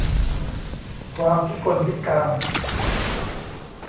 ความพิกลพิการ